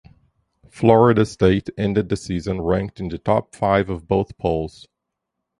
Florida State ended the season ranked in the top five of both polls.